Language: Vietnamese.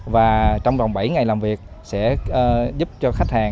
và trong vòng bảy ngày làm việc sẽ giúp cho khách hàng